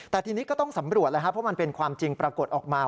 แต่ทีนี้ก็ต้องสำรวจเลยครับเพราะมันเป็นความจริงปรากฏออกมา